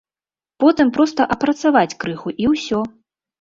Потым проста апрацаваць крыху і ўсё.